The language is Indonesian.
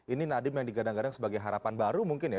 ini nadiem yang digadang gadang sebagai harapan baru mungkin ya